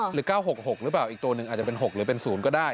หรือ๙๖๖หรือเปล่าอีกตัวหนึ่งอาจจะเป็น๖หรือเป็น๐ก็ได้